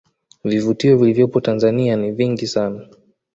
Vivutio vilivyopo tanzania ni vingi sana